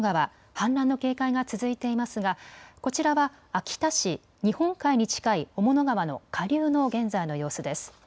氾濫の警戒が続いていますがこちらは秋田市、日本海に近い雄物川の下流の現在の様子です。